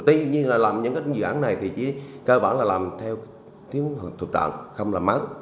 tuy nhiên là làm những cái dự án này thì chỉ cơ bản là làm theo tuyến thuật đoạn không là mắc